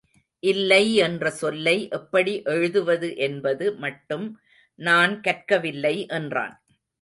இல்லை என்ற சொல்லை எப்படி எழுதுவது என்பது மட்டும் நான் கற்கவில்லை என்றான்.